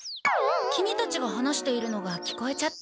キミたちが話しているのが聞こえちゃって。